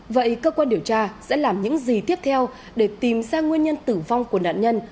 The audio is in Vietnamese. vậy cơ quan điều tra sẽ làm những gì tiếp theo để tìm ra nguyên nhân tử vong của nạn nhân